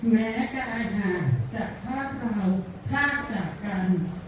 แม้กายห่างจากพ่อเธอท่าจากกัน